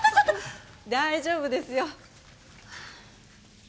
大丈夫ですよ。